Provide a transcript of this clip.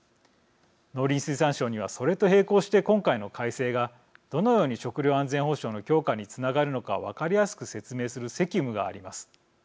農林水産省にはそれと並行して今回の改正がどのように食料安全保障の強化につながるのか分かりやすく説明する責務があります。